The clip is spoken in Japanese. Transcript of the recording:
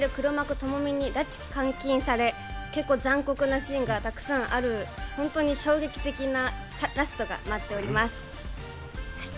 ・朋美に拉致監禁され、結構残酷なシーンがたくさんある、本当に衝撃的なラストが待っております。